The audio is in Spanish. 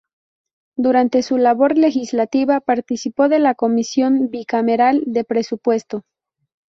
Durante su labor legislativa, participó de la Comisión bicameral de Presupuesto.